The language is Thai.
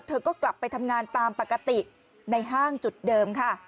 เธอก็กลับไปทำงานตามปกติในห้างจุดเดิมค่ะ